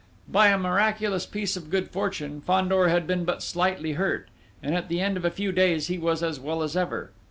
By a miraculous piece of good fortune, Fandor had been but slightly hurt, and at the end of a few days he was as well as ever.